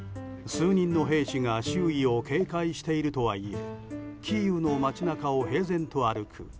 数人の兵士が周囲を警戒しているとはいえキーウの街中を平然と歩く